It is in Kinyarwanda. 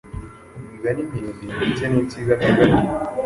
imigani miremire ndetse n’insigamigani,